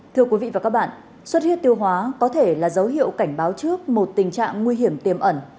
thưa quý vị và các bạn suất huyết tiêu hóa có thể là dấu hiệu cảnh báo trước một tình trạng nguy hiểm tiềm ẩn